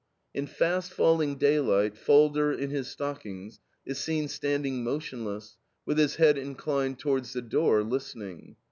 "In fast falling daylight, Falder, in his stockings, is seen standing motionless, with his head inclined towards the door, listening.